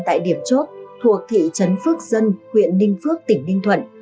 tại điểm chốt thuộc thị trấn phước dân huyện ninh phước tỉnh ninh thuận